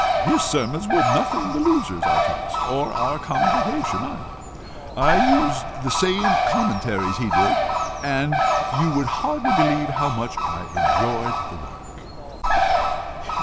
His sermons were nothing the losers, I trust, or our congregation either. I used the same commentaries he did, and you would hardly believe how much I enjoyed the work.